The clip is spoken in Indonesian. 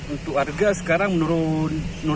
untuk harga sekarang menurun